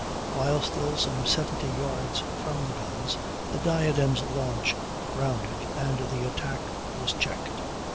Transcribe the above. While still some seventy yards from the guns the Diadem's launch grounded, and the attack was checked.